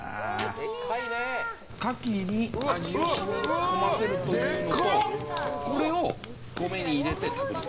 カキに味を染み込ませてというよりもこれを米に入れて炊く。